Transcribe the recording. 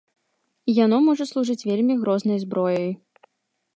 Яно можа служыць вельмі грознай зброяй.